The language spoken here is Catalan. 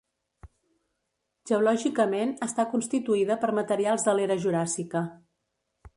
Geològicament està constituïda per materials de l'era juràssica.